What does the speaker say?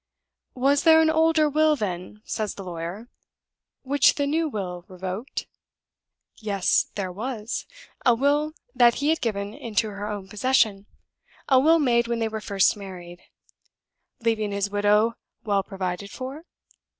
'Was there an older will, then,' says the lawyer, 'which the new will revoked?' Yes, there was; a will that he had given into her own possession a will made when they were first married. 'Leaving his widow well provided for?